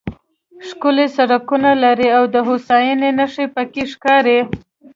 ښکلي سړکونه لري او د هوساینې نښې پکې ښکاري.